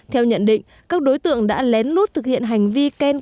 theo nhận định các đối tượng đã lén lút thực hiện hành vi khen